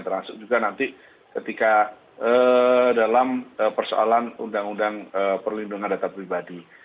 termasuk juga nanti ketika dalam persoalan undang undang perlindungan data pribadi